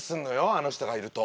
あの人がいると。